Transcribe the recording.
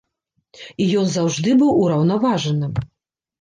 І ён заўжды быў ураўнаважаным.